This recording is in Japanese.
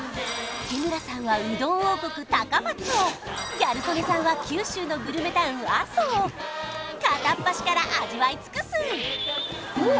日村さんはうどん王国高松をギャル曽根さんは九州のグルメタウン阿蘇を片っ端から味わい尽くす！